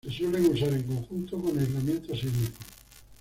Se suelen usar en conjunto con aislamiento sísmico.